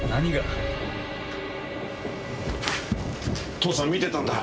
父さん見てたんだ。